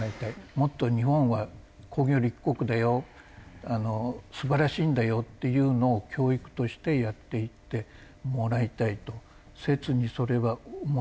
もっと日本は工業立国だよ素晴らしいんだよっていうのを教育としてやっていってもらいたいと切にそれは思いますね。